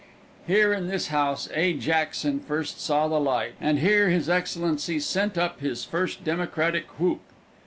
Here in this house A. Jackson first saw the light, and here his excellency sent up his first Democratic whoop.